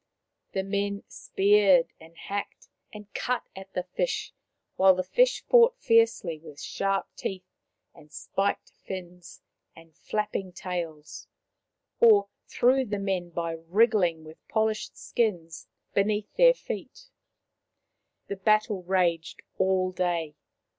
The men speared and hacked and cut at the fish, while the fish fought The Sea King's Victory 71 fiercely with sharp teeth and spiked fins and flapping tails, or threw the men by wriggling with polished skins beneath their feet. The battle raged all day.